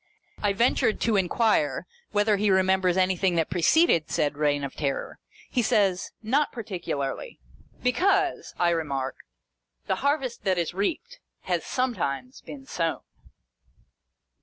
I ventured to inquire whether he remembers anything that preceded said Eeign of Terror 1 He says, not particularly. " Be cause," I remark, " the harvest that is reaped, has sometimes been sown."